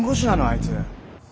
あいつ。